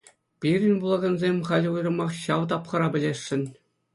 Пирӗн вулакансем халӗ уйрӑмах ҫав тапхӑра пӗлесшӗн.